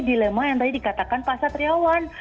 dilema yang tadi dikatakan pak satriawan